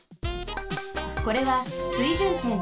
これは水準点。